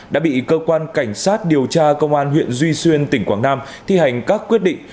đã bị cơ quan cảnh sát điều tra công an huyện duy xuyên tỉnh quảng nam thi hành các quyết định